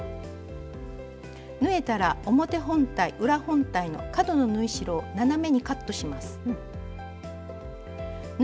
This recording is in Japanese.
縫えたら表本体裏本体の角の縫い代を斜めにカットします。